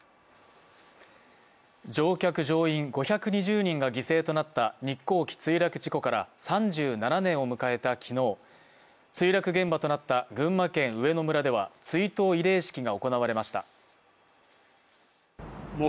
乗客・乗員５２０人が犠牲となった日航機墜落事故から３７年を迎えた昨日墜落現場となった群馬県の上野村では追悼慰霊式が行われました。